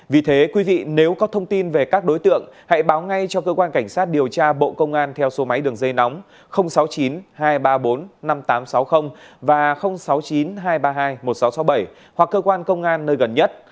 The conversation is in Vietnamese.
vì thế quý vị nếu có thông tin về các đối tượng hãy báo ngay cho cơ quan cảnh sát điều tra bộ công an theo số máy đường dây nóng sáu mươi chín hai trăm ba mươi bốn năm nghìn tám trăm sáu mươi và sáu mươi chín hai trăm ba mươi hai một nghìn sáu trăm sáu mươi bảy hoặc cơ quan công an nơi gần nhất